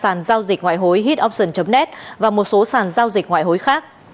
sàn giao dịch ngoại hối hitoption net và một số sàn giao dịch ngoại hối khác